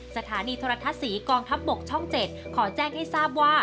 สถานีโทรทัศน์ศรีกองทัพบกช่อง๗ขอแจ้งให้ทราบว่า